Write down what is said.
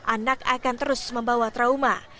anak akan terus membawa trauma